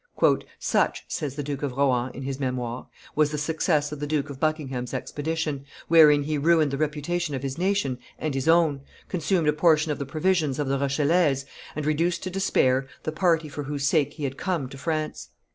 "Such," says the Duke of Rohan, in his Hemoires, "was the success of the Duke of Buckingham's expedition, wherein he ruined the reputation of his nation and his own, consumed a portion of the provisions of the Rochellese, and reduced to despair the party for whose sake he had come to France.